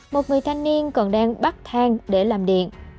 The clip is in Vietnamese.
một người thanh niên còn đang bắt thang để làm điện